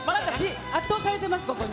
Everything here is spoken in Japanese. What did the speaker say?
圧倒されてます、ここに。